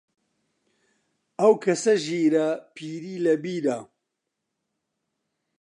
ئەو کەسە ژیرە، پیری لە بیرە